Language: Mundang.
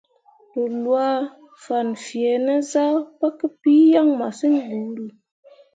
Ruu lwaa fan fẽẽ ne zah pǝkǝpii yaŋ masǝŋ buuru.